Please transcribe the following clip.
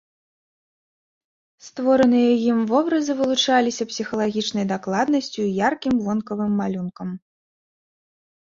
Створаныя ім вобразы вылучаліся псіхалагічнай дакладнасцю і яркім вонкавым малюнкам.